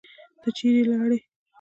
ته چیرې لاړې؟